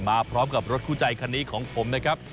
มาพร้อมกับรถคู่ใจคันนี้ของผมนะครับ